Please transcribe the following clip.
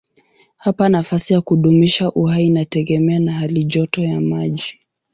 Hapa nafasi ya kudumisha uhai inategemea na halijoto ya maji.